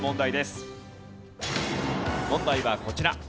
問題はこちら。